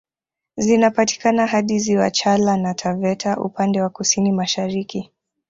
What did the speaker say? Zinapatikana hadi ziwa Chala na Taveta upande wa kusini mashariki